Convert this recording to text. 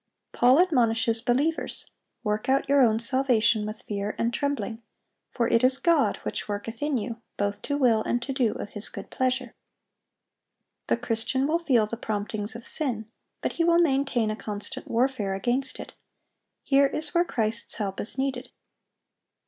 Paul admonishes believers, "Work out your own salvation with fear and trembling. For it is God which worketh in you both to will and to do of His good pleasure."(799) The Christian will feel the promptings of sin, but he will maintain a constant warfare against it. Here is where Christ's help is needed.